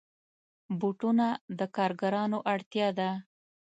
بوټونه د کارګرانو اړتیا ده.